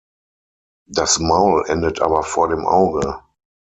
Das Maul endet aber vor dem Auge.